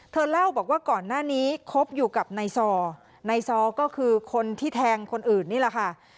เล่าบอกว่าก่อนหน้านี้คบอยู่กับนายซอนายซอก็คือคนที่แทงคนอื่นนี่แหละค่ะ